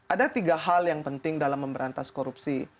ada tiga hal yang penting dalam memberantas korupsi